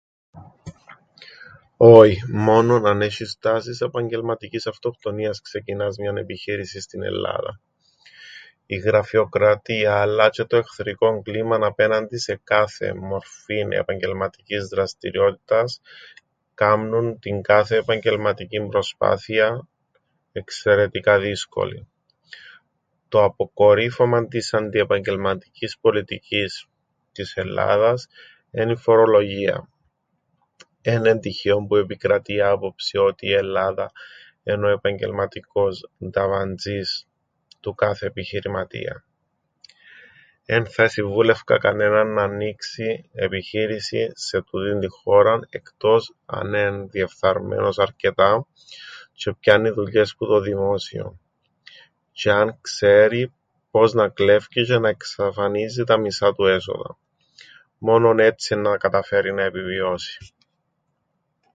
Όι, μόνον αν έσ̆εις τάσεις επαγγελματικής αυτοκτονίας ξεκινάς μιαν επιχείρησην στην Ελλάδαν. Η γραφειοκρατία αλλά τζ̆αι το εχθρικόν κλίμαν απέναντι σε κάθε μορφήν επαγγελλματικής δραστηριότητας κάμνουν την κάθε επαγγελματικήν προσπάθειαν εξαιρετικά δύσκολην. Το αποκορύφωμαν της αντιεπαγγελματικής πολιτικής της Ελλάδας εν’ η φορολογία. Έννεν’ τυχαίον που επικρατεί η άποψη ότι η Ελλάδα εν’ ο επαγγελματικός νταβαντζής του κάθε επειγχηρηματία. Εν θα εσυμβούλευκα κανέναν να αννοίξει επιχείρησην σε τούτην την χώραν, εκτός αν εν' διεφθαρμένος αρκετά, τζ̆αι πιάννει δουλειές που το Δημόσιον τζ̆αι αν ξέρει πώς να κλέφκει τζ̆αι να εξαφανίζει τα μισά του έσοδα. Μόνον έτσι εννά τα καταφέρει να επιβιώσει.